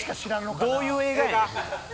どういう映画やねん。